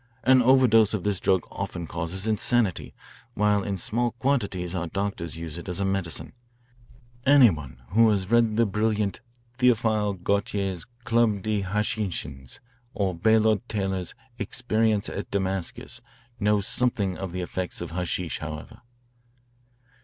An overdose of this drug often causes insanity, while in small quantities our doctors use it as a medicine. Any one who has read the brilliant Theophile Gautier's 'Club des Hachichens' or Bayard Taylor's experience at Damascus knows something of the effect of hashish, however.